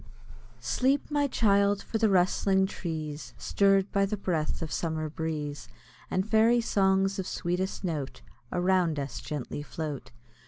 ] Sleep, my child! for the rustling trees, Stirr'd by the breath of summer breeze, And fairy songs of sweetest note, Around us gently float.